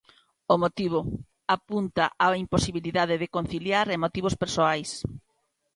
O motivo, apunta a imposibilidade de conciliar e motivos persoais.